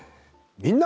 「みんな！